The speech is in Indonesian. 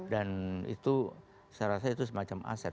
dan itu saya rasa itu semacam aset